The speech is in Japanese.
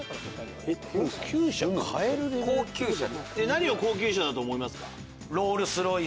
何を高級車だと思いますか？